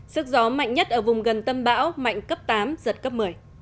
sức gió mạnh nhất ở vùng gần tâm bão mạnh cấp tám giật cấp một mươi